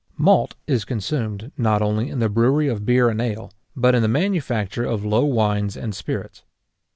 Malt is consumed, not only in the brewery of beer and ale, but in the manufacture of low wines and spirits.